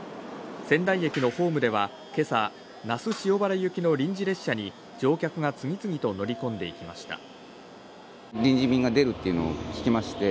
仙台駅のホームでは今朝、那須塩原行きの臨時列車に乗客が次々と乗り込んでいきました。